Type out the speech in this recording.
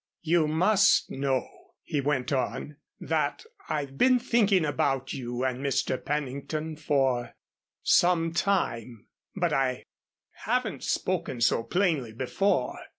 "You must know," he went on, "that I've been thinking about you and Mr. Pennington for some time, but I haven't spoken so plainly before.